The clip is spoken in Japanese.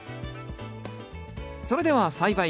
それでは栽培開始。